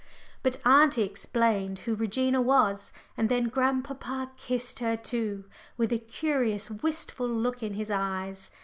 But auntie explained who Regina was, and then grandpapa kissed her too, with a curious wistful look in his eyes.